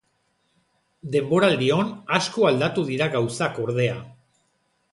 Denboraldion asko aldatu dira gauzak, ordea.